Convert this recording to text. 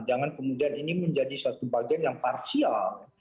jangan kemudian ini menjadi suatu bagian yang parsial